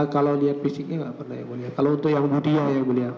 kalau lihat fisiknya enggak pernah yang mulia kalau untuk yang ibu dia ya yang mulia